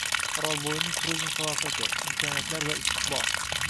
Orolbo‘yining turizm salohiyati: imkoniyatlar va istiqbol